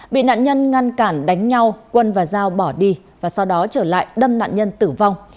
bị nạn nhân ngăn cản đánh nhau quân và giao bỏ đi và sau đó trở lại đâm nạn nhân tử vong